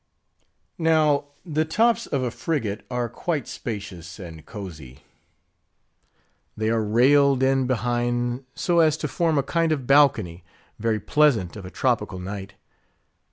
Now, the tops of a frigate are quite spacious and cosy. They are railed in behind so as to form a kind of balcony, very pleasant of a tropical night.